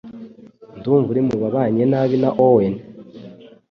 Ndumva uri mubabanye nabi na Owen.